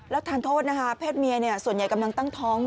แล้วทานโทษนะคะเพศเมียส่วนใหญ่กำลังตั้งท้อง